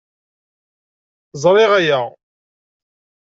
Sriɣ aya.